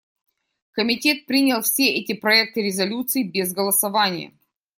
Комитет принял все эти проекты резолюций без голосования.